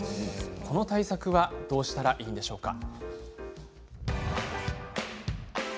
この対策はどうしたらいいんでしょうか。